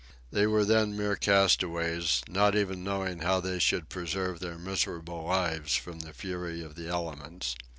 They were then mere castaways, not even knowing how they should preserve their miserable lives from the fury of the elements!